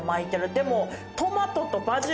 でも。